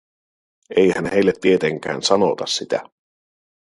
Eihän heille tietenkään sanota sitä.